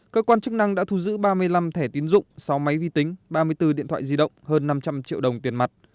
cơ quan chức năng đã thu giữ ba mươi năm thẻ tín dụng sáu máy vi tính ba mươi bốn điện thoại di động hơn năm trăm linh triệu đồng tiền mặt